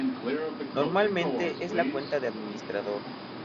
Normalmente es la cuenta de administrador.